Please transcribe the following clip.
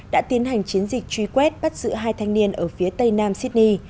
đã tiến hành chiến dịch truy quét bắt giữ hai thanh niên ở phía tây nam sydney